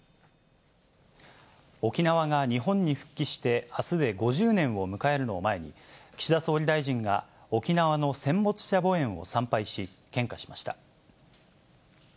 沖縄が日本に復帰してあすで５０年を迎えるのを前に、岸田総理大臣が沖縄の戦没者墓苑を参拝し、献花しました。